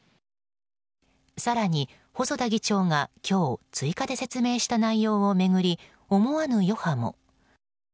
更に細田議長が今日、追加で説明した内容を巡り思わぬ余波も。